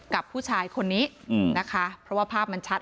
กับผู้ชายคนนี้นะคะเพราะว่าภาพมันชัด